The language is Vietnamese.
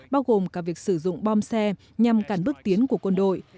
bao gồm cả việc sử dụng bom xe nhằm cản bước tiến của quân đội